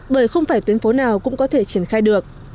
bởi không phải tuyến phố nào cũng có thể triển khai được